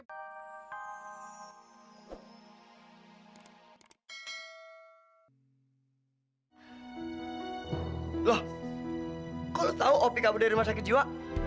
loh kok lo tau opi kamu dari rumah sakit jiwa